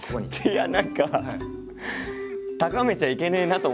いや何か高めちゃいけねえなと思いながらやってました。